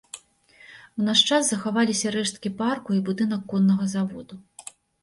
У наш час захаваліся рэшткі парку і будынак коннага заводу.